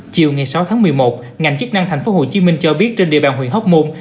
chiều sáu một mươi một ngành chức năng tp hcm cho biết trên địa bàn huyện hóc môn